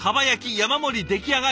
山盛り出来上がり！